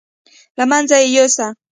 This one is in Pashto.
له منځه یې یوسه.